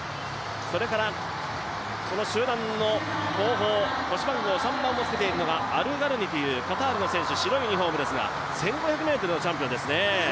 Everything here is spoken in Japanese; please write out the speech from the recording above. それからその集団の後方腰番号３番をつけているのが、アルガルニというカタールの選手白いユニフォームの選手ですが１５００ｍのチャンピオンですね。